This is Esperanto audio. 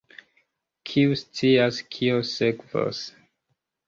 Kiu scias kio sekvos?